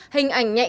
hình ảnh nhạy cảm